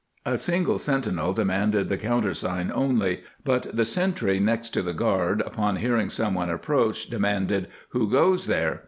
A single sentinel demanded the countersign only, but the sentry next to the guard, upon hearing someone approach, de manded, " Who goes there